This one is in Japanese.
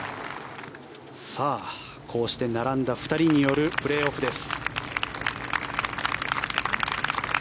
こうして並んだ２人によるプレーオフです。